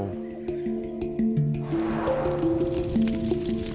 ปื้นดินจากการเผา